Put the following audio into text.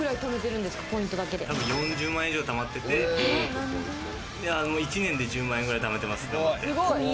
４０万円以上、貯まってて、１年で１０万円ぐらいためてます。